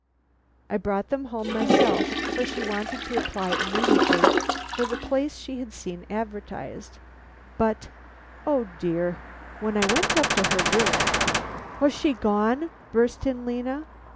I brought them home myself, for she wanted to apply immediately for the place she had seen advertised, but, O dear, when I went up to her room " "Was she gone?" burst in Lena.